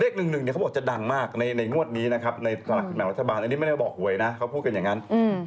เลข๑๑เนี่ยเขาบอกจะดังมากในงวดนี้นะครับในสลากกินแบ่งรัฐบาลอันนี้ไม่ได้บอกหวยนะเขาพูดกันอย่างนั้น